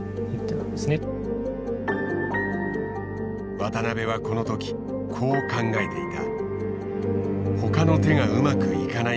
渡辺はこの時こう考えていた。